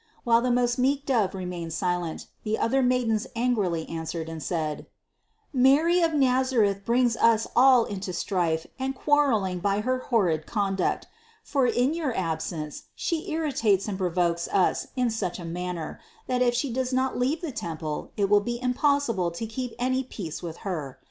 While the most meek Dove remained silent, the other maidens angrily answered and said : "Mary of Nazareth brings us all into strife and quarreling by her horrid conduct: for in your absence, She irritates and provokes us in such a manner, that if She does not leave the temple, it will be impossible to keep any peace with Her.